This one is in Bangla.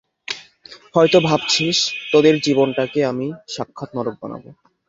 হয়ত ভাবছিস, তোদের জীবনটাকে আমি সাক্ষাৎ নরক বানাবো।